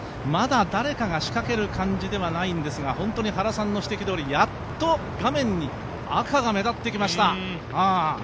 まだ誰かが仕掛ける感じではないんですが、本当に原さんの指摘どおりやっと画面に赤が目立ってきました。